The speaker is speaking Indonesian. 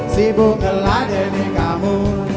sibuk ngeladeni kamu